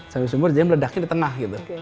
sambil sumur dia meledaknya di tengah gitu